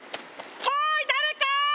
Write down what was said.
おい誰か！